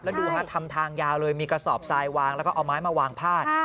แล้วดูฮะทำทางยาวเลยมีกระสอบทรายวางแล้วก็เอาไม้มาวางพาด